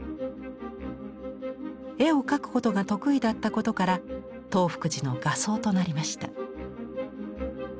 絵を描くことが得意だったことから東福寺の画僧となりました。